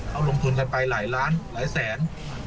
เอาลงทุนกันไปหลายล้านหลายแสน